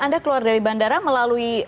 anda keluar dari bandara melalui